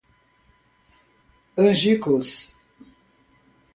Angicos